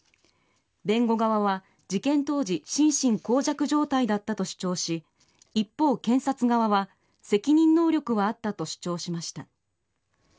弁護側は、事件当時心神耗弱状態だったと主張し一方、検察側は責任能力はあったと主張しました。